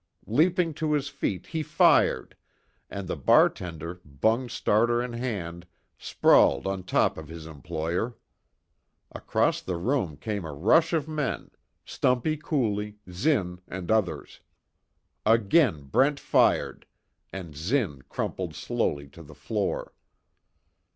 Leaping to his feet he fired, and the bartender, bung starter in hand, sprawled on top of his employer. Across the room came a rush of men Stumpy Cooley, Zinn, and others. Again Brent fired, and Zinn crumpled slowly to the floor.